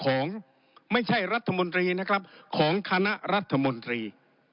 ของไม่ใช่รัฐมนตรีนะครับของคณะรัฐมนตรี